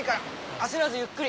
焦らずゆっくり。